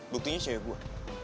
buktinya cewek gue